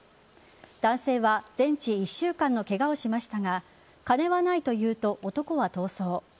男性は全治１週間のケガをしましたが金はないと言うと男は逃走。